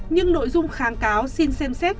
nhưng nội dung kháng cáo xin xem xét